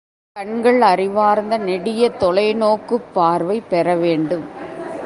கண்கள் அறிவார்ந்த நெடிய தொலைநோக்குப் பார்வை பெறவேண்டும்.